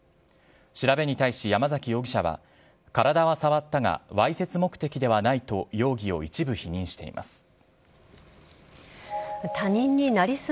調べに対し、山崎容疑者は体は触ったがわいせつ目的ではないと容疑を一部否認しています。